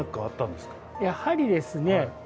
やはりですね